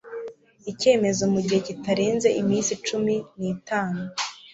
icyemezo mu gihe kitarenze iminsi cumi n itanu